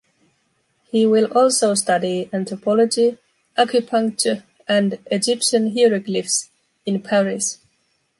He will also study anthropology, acupuncture and Egyptian hieroglyphs in Paris.